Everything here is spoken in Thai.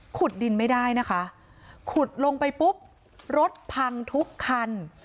ขุดดินไม่ได้นะคะขุดลงไปปุ๊บรถพังทุกคัน